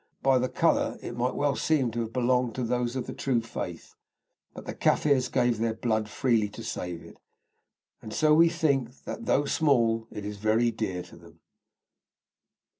By the colour it might well seem to have belonged to those of the true faith, but the Kaffirs gave their blood freely to save it, and so we think that, though small, it is very dear to them.